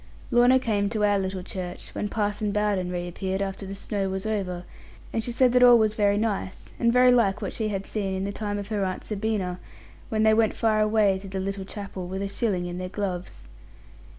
Lorna came to our little church, when Parson Bowden reappeared after the snow was over; and she said that all was very nice, and very like what she had seen in the time of her Aunt Sabina, when they went far away to the little chapel, with a shilling in their gloves.